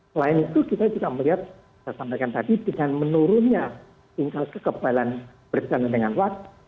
selain itu kita juga melihat saya sampaikan tadi dengan menurunnya tingkat kekebalan berjalan dengan waktu